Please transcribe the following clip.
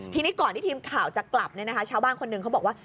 ทีนี้ก่อนที่ทีมข่าวจะกลับชาวบ้านคนหนึ่งเขาบอกว่า